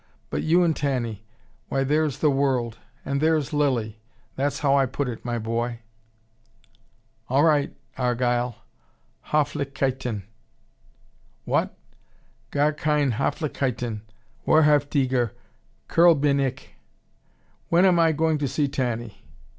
But you and Tanny; why, there's the world, and there's Lilly: that's how I put it, my boy." "All right, Argyle. Hoflichkeiten." "What? Gar keine Hoflichkeiten. Wahrhaftiger Kerl bin ich. When am I going to see Tanny?